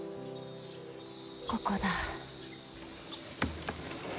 ここだ。